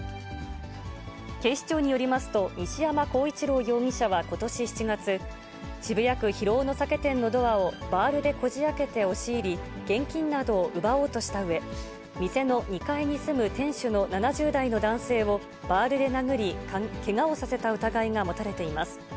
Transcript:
警視庁によりますと、西山幸一郎容疑者はことし７月、渋谷区広尾の酒店のドアをバールでこじあけて押し入り、現金などを奪おうとしたうえ、店の２階に住む店主の７０代の男性をバールで殴り、けがをさせた疑いが持たれています。